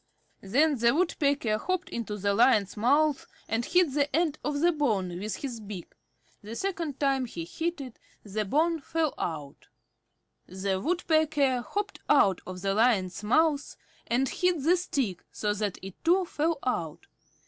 Then the Woodpecker hopped into the Lion's mouth and hit the end of the bone with his beak. The second time he hit it, the bone fell out. The Woodpecker hopped out of the Lion's mouth, and hit the stick so that it too fell out.